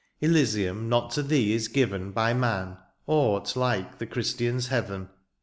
'^ Elysium not to thee is given ^^ By man, aught like the Christians' heaven.